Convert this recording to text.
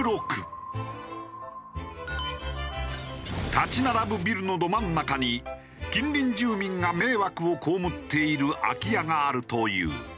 立ち並ぶビルのど真ん中に近隣住民が迷惑をこうむっている空き家があるという。